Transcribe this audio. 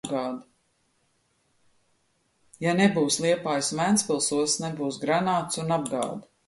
Ja nebūs Liepājas un Ventspils ostas, nebūs granātas un apgāde.